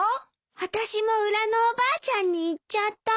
私も裏のおばあちゃんに言っちゃった。